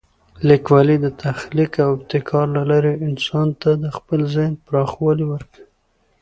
لیکوالی د تخلیق او ابتکار له لارې انسان ته د خپل ذهن پراخوالی ورکوي.